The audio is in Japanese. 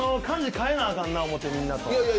変えなあかんなと思って、みんなと。